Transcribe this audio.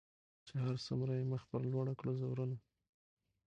چي هر څو یې مخ پر لوړه کړه زورونه